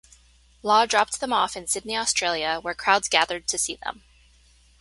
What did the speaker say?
Law dropped them off in Sydney, Australia, where crowds gathered to see them.